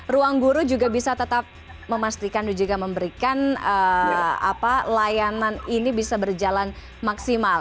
ruangguru juga bisa tetap memastikan juga memberikan layanan ini bisa berjalan maksimal